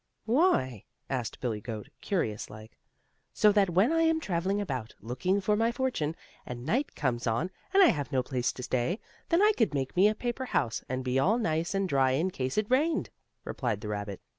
"Why?" asked Billie Goat, curious like. "So that when I am traveling about, looking for my fortune, and night comes on, and I have no place to stay, then I could make me a paper house, and be all nice and dry in case it rained," replied the rabbit.